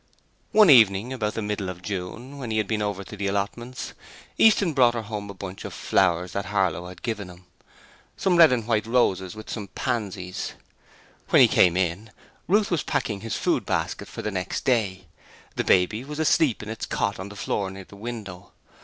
One evening, about the middle of June, when he had been over to the allotments, Easton brought her home a bunch of flowers that Harlow had given him some red and white roses and some pansies. When he came in, Ruth was packing his food basket for the next day. The baby was asleep in its cot on the floor near the window.